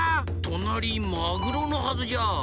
となりマグロのはずじゃ。